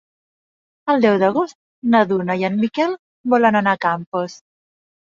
El deu d'agost na Duna i en Miquel volen anar a Campos.